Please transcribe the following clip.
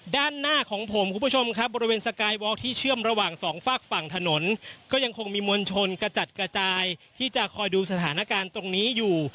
ด้านหน้าของผมคุณผู้ชมครับบริเวณสกายวอล์ที่เชื่อมระหว่างสองฝากฝั่งถนนก็ยังคงมีมวลชนกระจัดกระจายที่จะคอยดูสถานการณ์ตรงนี้อยู่